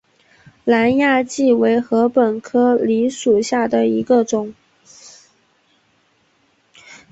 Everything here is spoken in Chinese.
南亚稷为禾本科黍属下的一个种。